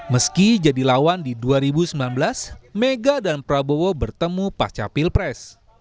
meski jadi lawan di dua ribu sembilan belas mega dan prabowo bertemu pasca pilpres